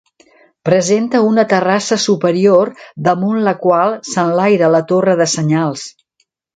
Presenta una terrassa superior, damunt la qual s'enlaira la torre de senyals.